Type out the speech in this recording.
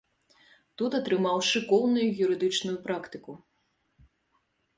Тут атрымаў шыкоўную юрыдычную практыку.